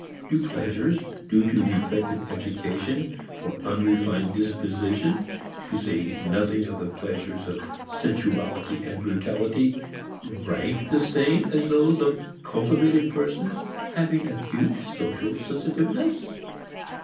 Do pleasures due to defective education or unrefined disposition, to say nothing of the pleasures of sensuality and brutality, rank the same as those of cultivated persons having acute social sensitiveness?